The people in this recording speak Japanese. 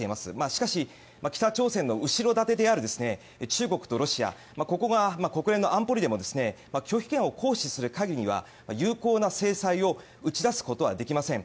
しかし、北朝鮮の後ろ盾である中国とロシアここが国連の安保理でも拒否権を行使する限りは有効な制裁を打ち出すことはできません。